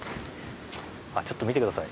ちょっと見てください。